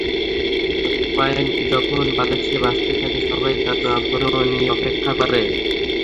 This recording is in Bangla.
কয়েন যখন বাতাসে ভাসতে থাকে, সবাই দারুণ আগ্রহ নিয়ে অপেক্ষা করে।